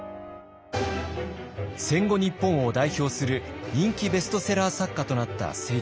戦後日本を代表する人気ベストセラー作家となった清張。